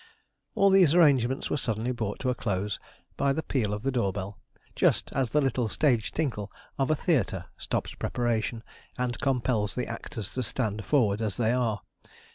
All these arrangements were suddenly brought to a close by the peal of the door bell, just as the little stage tinkle of a theatre stops preparation, and compels the actors to stand forward as they are.